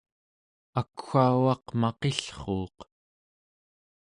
akwaugaq maqillruuq